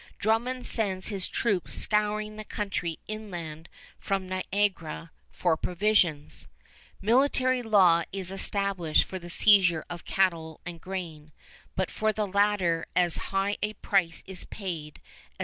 Drummond sends his troops scouring the country inland from Niagara for provisions. Military law is established for the seizure of cattle and grain, but for the latter as high a price is paid as $2.